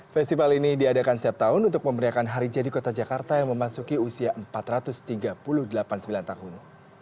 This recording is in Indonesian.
festival ini diadakan setiap tahun untuk memberiakan hari jadi kota jakarta yang memasuki usia empat ratus tiga puluh delapan sembilan tahun